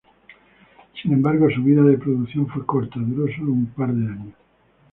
Sin embargo su vida de producción fue corta, duró solo un par de años.